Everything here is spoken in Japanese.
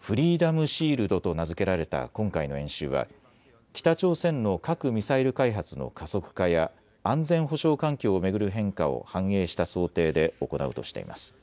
フリーダム・シールドと名付けられた今回の演習は北朝鮮の核・ミサイル開発の加速化や安全保障環境を巡る変化を反映した想定で行うとしています。